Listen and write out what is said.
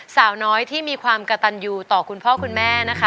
สาวน้อยที่มีความกระตันอยู่ต่อคุณพ่อคุณแม่นะคะ